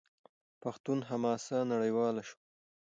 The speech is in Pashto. پښتون حماسه نړیواله شوه.